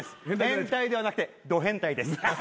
変態ではなくてド変態です。